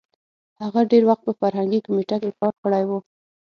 هغه ډېر وخت په فرهنګي کمېټه کې کار کړی وو.